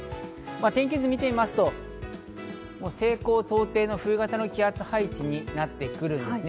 天気図を見てみますと、西高東低の冬型の気圧配置になってくるんですね。